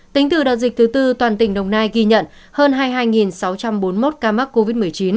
tính từ đợt dịch thứ tư toàn tỉnh đồng nai ghi nhận hơn hai mươi hai sáu trăm bốn mươi một ca mắc covid một mươi chín